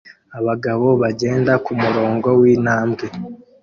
Abagabo bagenda kumurongo wintambwe